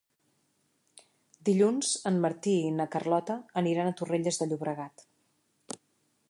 Dilluns en Martí i na Carlota aniran a Torrelles de Llobregat.